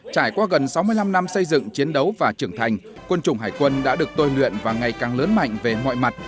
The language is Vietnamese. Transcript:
trải qua gần sáu mươi năm năm xây dựng chiến đấu và trưởng thành quân chủng hải quân đã được tôi luyện và ngày càng lớn mạnh về mọi mặt